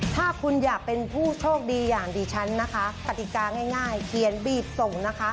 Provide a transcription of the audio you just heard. ถ้าคุณอยากเป็นผู้โชคดีอย่างดิฉันนะคะกติกาง่ายเขียนบีบส่งนะคะ